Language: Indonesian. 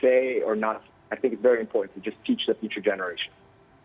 saya pikir sangat penting untuk mengajarkan generasi depan